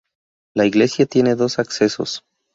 La iglesia tiene dos accesos.